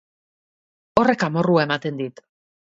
Horrek amorrua ematen dit!